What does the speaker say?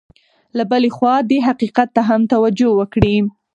له بلې خوا دې حقیقت ته هم توجه وکړي.